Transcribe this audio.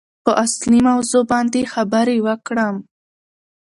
په اصلي موضوع باندې خبرې وکړم.